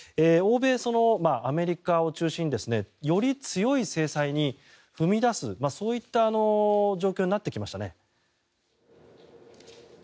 欧米、アメリカを中心により強い制裁に踏み出す、そういった状況になってきましたね。